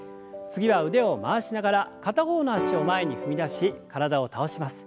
次は腕を回しながら片方の脚を前に踏み出し体を倒します。